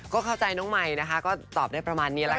ก็เข้าใจน้องใหม่นะคะก็ตอบได้ประมาณนี้แหละค่ะ